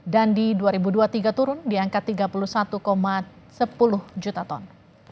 dan di dua ribu dua puluh tiga turun di angka tiga puluh satu sepuluh juta ton